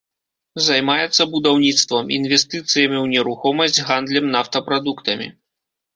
Займаецца будаўніцтвам, інвестыцыямі ў нерухомасць, гандлем нафтапрадуктамі.